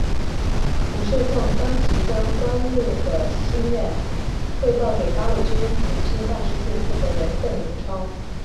胡绣凤当即将关露的心愿汇报给八路军重庆办事处负责人邓颖超。